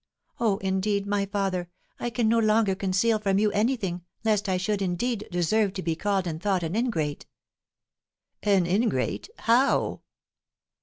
Oh, indeed, my father, I can no longer conceal from you anything, lest I should, indeed, deserve to be called and thought an ingrate." "An ingrate! How?"